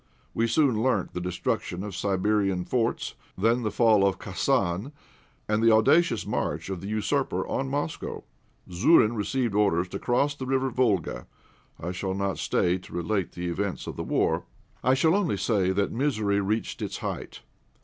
We soon learnt the destruction of Siberian forts, then the fall of Khasan, and the audacious march of the usurper on Moscow. Zourine received orders to cross the River Volga. I shall not stay to relate the events of the war. I shall only say that misery reached its height.